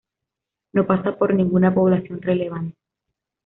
No pasa por ninguna población relevante.